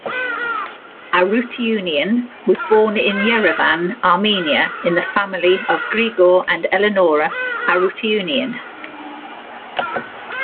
Arutiunian was born in Yerevan, Armenia, in the family of Grigor and Eleonora Arutiunian.